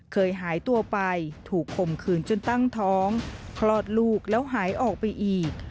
เคยหายตัวไปถูกข่มขืนจนตั้งท้องคลอดลูกแล้วหายออกไปอีก